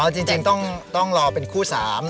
อ๋อจริงต้องรอเป็นคู่สาม